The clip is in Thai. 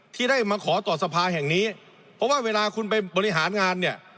ที่ได้มาขอต่อสภาแห่งนี้เพราะว่าเวลาคุณไปบริหารงานเนี่ย